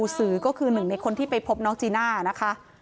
คุณผู้ชมค่ะคือหนึ่งในคนที่ไปพบน้องจีน่าร์นะคะ